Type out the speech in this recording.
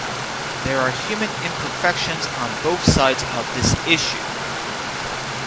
There are human imperfections on both sides of this issue.